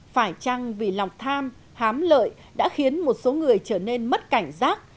phải chăng vì lòng tham hám lợi đã khiến một số người trở nên mất cảnh giác